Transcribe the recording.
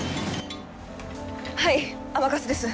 はい甘春です。